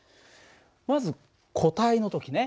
まず固体の時ね。